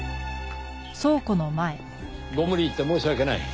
ご無理言って申し訳ない。